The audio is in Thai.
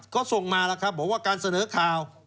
ก็ส่งมาแล้วครับบอกว่าการเสนอข่าว